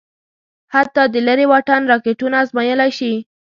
حتی د لېرې واټن راکېټونه ازمايلای شي.